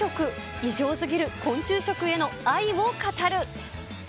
異常すぎる昆虫食への愛を語る。